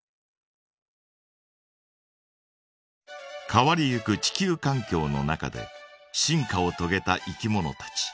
変わりゆく地球かん境の中で進化をとげたいきものたち。